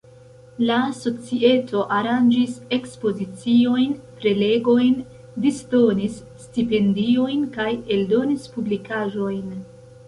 La societo aranĝis ekspoziciojn, prelegojn, disdonis stipendiojn kaj eldonis publikaĵojn.